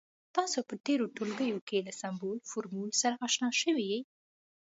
تاسې په تیرو ټولګیو کې له سمبول، فورمول سره اشنا شوي يئ.